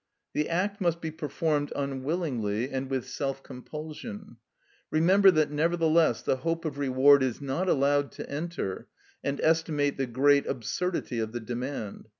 The act must be performed unwillingly and with self compulsion. Remember that nevertheless the hope of reward is not allowed to enter, and estimate the great absurdity of the demand.